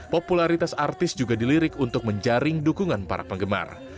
popularitas artis juga dilirik untuk menjaring dukungan para penggemar